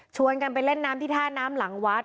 กันไปเล่นน้ำที่ท่าน้ำหลังวัด